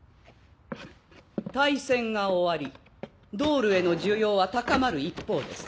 大戦が終わりドールへの需要は高まる一方です。